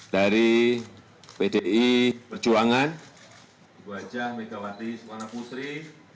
dari pdi perjuangan guajah megawati semana pusri